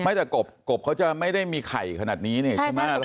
ไม่แต่กบเขาจะไม่ได้มีไข่ขนาดนี้นี่ใช่ไหม